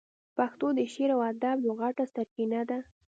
پښتو د شعر او ادب یوه غټه سرچینه ده.